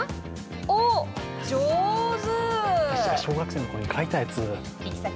おっ、上手。